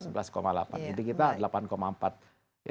jadi kita delapan empat